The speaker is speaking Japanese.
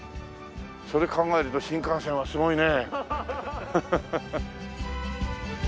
それ考えると新幹線はすごいね。